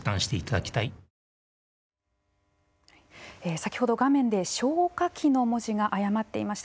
先ほど画面で消火器の文字が誤っていました。